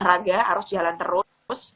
tenaga harus jalan terus